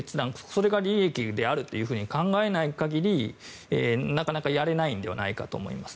それが利益であるというふうに考えない限りなかなかやれないのではないかと思います。